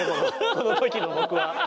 この時の僕は。